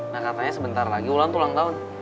nah katanya sebentar lagi ulang ulang tahun